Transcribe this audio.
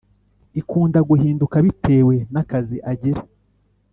ikunda guhinduka bitewe n’akazi agira